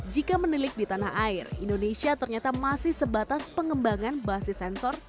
jika menilik di tanah air indonesia ternyata masih sebatas pengembangan basis sensor